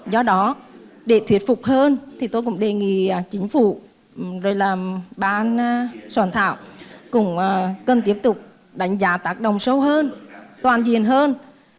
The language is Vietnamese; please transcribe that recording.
do đó để thuyết phục hơn thì tôi cũng đề nghị chính phủ rồi là ban soạn thảo cũng cần tiếp tục đánh giá tác động sâu hơn toàn diện hơn